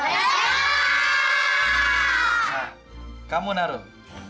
nah kamu naruh